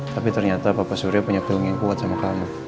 tapi ternyata bapak surya punya film yang kuat sama kamu